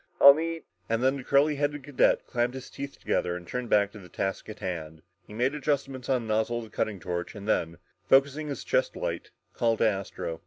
"I'll need...." And then the curly headed cadet clamped his teeth together and turned back to the task at hand. He made adjustments on the nozzle of the cutting torch, and then, focusing his chest light, called to Astro.